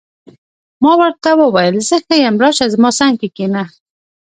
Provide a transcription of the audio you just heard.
ما ورته وویل: زه ښه یم، راشه، زما څنګ ته کښېنه.